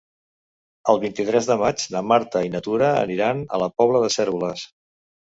El vint-i-tres de maig na Marta i na Tura aniran a la Pobla de Cérvoles.